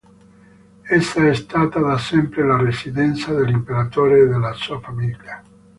Essa è stata da sempre la residenza dell'imperatore e della sua famiglia.